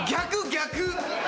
逆。